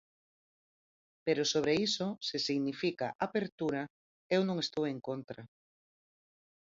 Pero sobre iso, se significa apertura, eu non estou en contra.